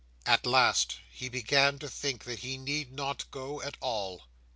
At last he began to think he need not go at all.